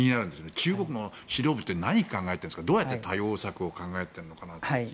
中国の指導部って何を考えてどうやって対応策を考えてるのかなと。